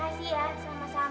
makan yang banyak